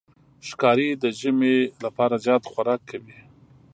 ښکاري د ژمي لپاره زیات خوراک کوي.